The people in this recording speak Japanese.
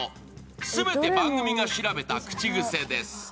全て番組が調べた口癖です。